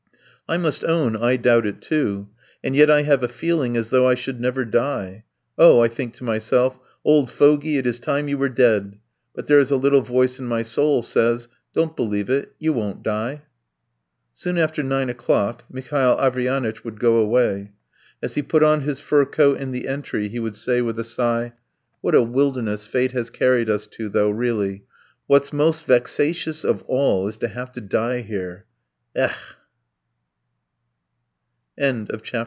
"I must own I doubt it too. And yet I have a feeling as though I should never die. Oh, I think to myself: 'Old fogey, it is time you were dead!' But there is a little voice in my soul says: 'Don't believe it; you won't die.'" Soon after nine o'clock Mihail Averyanitch would go away. As he put on his fur coat in the entry he would say with a sigh: "What a wilderness fate has carried us to, though, really! What's most vexatious of all is to have to die here. Ech!